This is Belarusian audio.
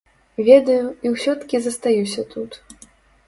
Ведаю, і ўсё-ткі застаюся тут.